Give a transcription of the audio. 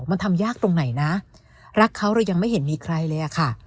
มันทำยากตรงไหนนะรักเขาเรายังไม่เห็นมีใครเลยอะค่ะ